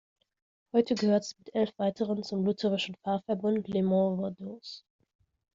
Heute gehört sie mit elf weiteren zum lutherischen Pfarrverbund "Le Mont Vaudois".